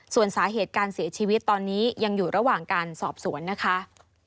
ส่วนสาเหตุการเสียชีวิตตอนนี้ยังอยู่ระหว่างการสอบสวนนะคะ